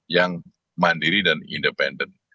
yang mandiri dan independen